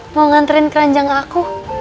mau nganterin keranjang aku